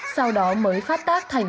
sau đó mới phát tác thành